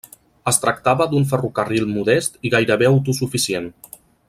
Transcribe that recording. Es tractava d'un ferrocarril modest i gairebé autosuficient.